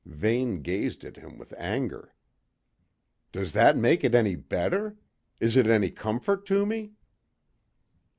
Vane gazed at him with anger. "Does that make it any better? Is it any comfort to me?"